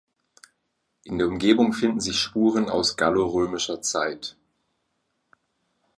In der Umgebung finden sich Spuren aus gallo-römischer Zeit.